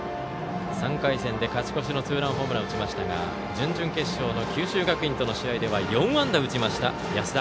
３回戦で勝ち越しのツーランホームランを打ちましたが準々決勝の九州学院との試合では４安打、打ちました。